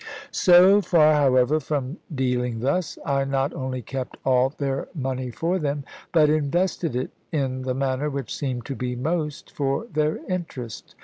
So far, however, from dealing thus, I not only kept all their money for them, but invested it in the manner which seemed to be most for their interest.